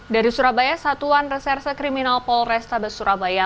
dari surabaya satuan reserse kriminal polrestabes surabaya